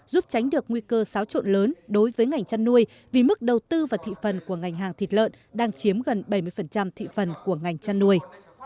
giúp tránh được nguy cơ xáo trộn lớn đối với ngành chăn nuôi vì mức đầu tư và thị phần của ngành hàng thịt lợn đang chiếm gần bảy mươi thị phần của ngành chăn nuôi